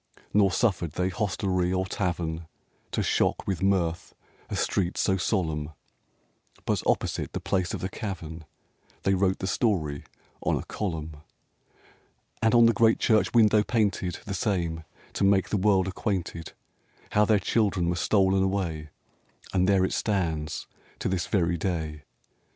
Nor suffered they hostelry or tavern To shock with mirth a street so solemn; But opposite the place of the cavern They wrote the story on a column, And on the great church window painted The same, to make the world acquainted How their children were stolen away, And there it stands to this very day.